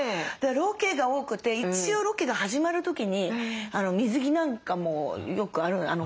ロケが多くて一応ロケが始まる時に水着なんかもよくある。